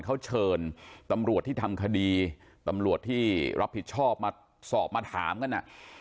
เขาเชิญตำรวจที่ทำคดีตำรวจที่รับผิดชอบมาสอบมาถามกัน